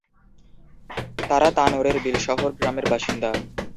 তাঁরা তানোরের বিলশহর গ্রামের বাসিন্দা।